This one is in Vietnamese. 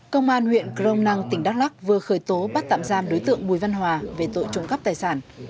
công an huyện crom năng tỉnh đắk lắc vừa khởi tố bắt tạm giam đối tượng bùi văn hòa về tội trộm cắp tài sản